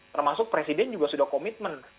termasuk presiden juga sudah komitmen